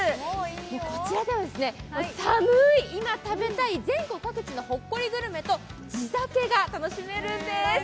こちらでは寒い今食べたい全国各地のほっこりグルメと地酒が楽しめるんです。